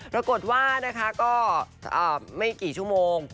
ระกดว่าไม่กี่ชั่วโมง